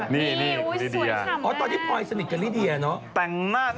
นี่คุณพลอยใช่มั้ย